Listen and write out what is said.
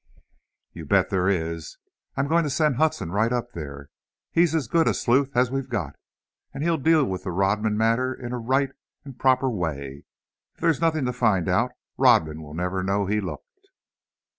"You bet there is! I'm going to send Hudson right up there. He's as good a sleuth as we've got, and he'll deal with the Rodman matter in a right and proper way. If there's nothing to find out, Rodman will never know he looked."